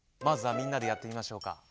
まずはみんなでやってみましょうか。